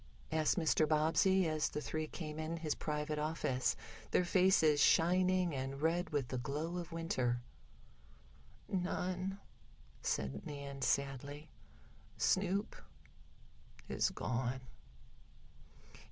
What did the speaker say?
asked Mr. Bobbsey, as the three came in his private office, their faces shining and red with the glow of winter. "None," said Nan sadly. "Snoop is gone."